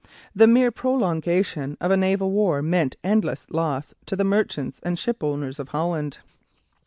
The mere prolongation of a naval war meant endless loss to the merchants and shipowners of Holland.